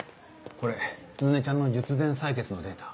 これ鈴音ちゃんの術前採血のデータ。